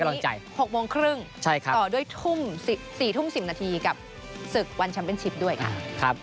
วันนี้๖โมงครึ่งต่อด้วยทุ่ม๔ทุ่ม๑๐นาทีกับศึกวันแชมป์เป็นชิปด้วยค่ะ